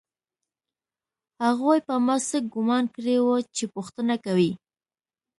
هغوی په ما څه ګومان کړی و چې پوښتنه کوي